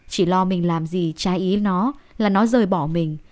chỉ lo mình làm gì trái ý nó là nó rời bỏ mình